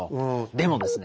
でもですね